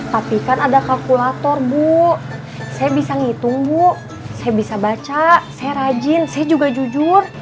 tapi kan ada kalkulator bu saya bisa ngitung bu saya bisa baca saya rajin saya juga jujur